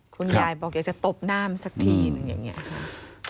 คุณยายบอกอยากจะตบหน้ามันสักทีนึงอย่างนี้ค่ะ